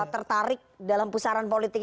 tertarik dalam pusaran politik